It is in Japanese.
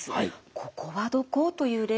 「ここはどこ？」という例です。